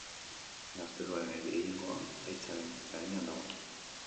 Gazteluaren gehiengoa haitzaren gainean dago.